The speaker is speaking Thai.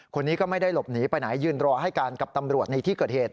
คนนี้ก็ไม่ได้หลบหนีไปไหนยืนรอให้การกับตำรวจในที่เกิดเหตุ